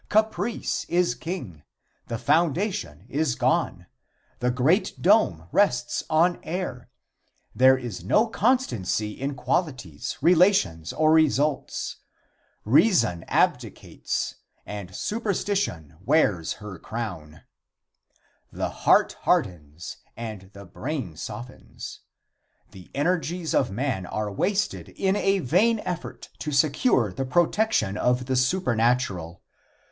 Caprice is king. The foundation is gone. The great dome rests on air. There is no constancy in qualities, relations or results. Reason abdicates and superstition wears her crown. The heart hardens and the brain softens. The energies of man are wasted in a vain effort to secure the protection of the supernatural.